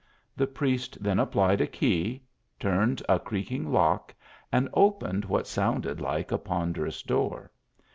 The priest then applied a key, turned a creaking lock and opened what sounded like a ponderous door.